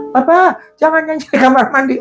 bapak jangan nyanyi kamar mandi